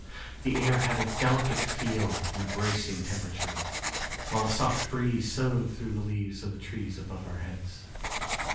The air had a delicate feel and a bracing temperature, while a soft breeze soughed through the leaves of the tree above our heads.